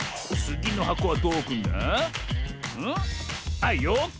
あっよこ！